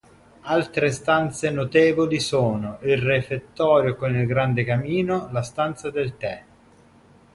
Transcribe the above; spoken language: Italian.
Altre stanze notevoli sono: il refettorio con il grande camino, la stanza del tè.